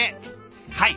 はい。